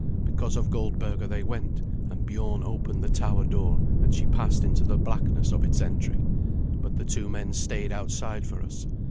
Because of Goldberga they went; and Biorn opened the tower door, and she passed into the blackness of its entry, but the two men stayed outside for us.